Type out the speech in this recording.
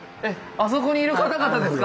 あそこにいる方々ですか？